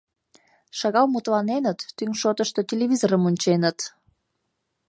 Шагал мутланеныт, тӱҥ шотышто телевизорым онченыт.